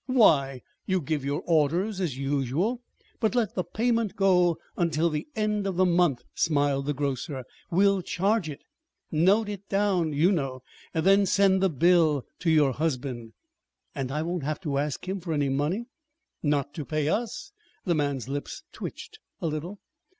"Why, you give your orders as usual, but let the payment go until the end of the month," smiled the grocer. "We'll charge it note it down, you know then send the bill to your husband." "And I won't have to ask him for any money?" "Not to pay us." The man's lips twitched a little.